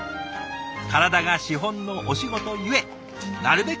体が資本のお仕事ゆえなるべく